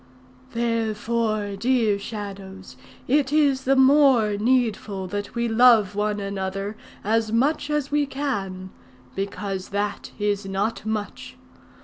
"Therefore, dear Shadows, it is the more needful that we love one another as much as we can, because that is not much.